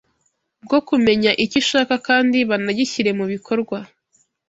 bwo kumenya icyo ishaka kandi banagishyire mu bikorwa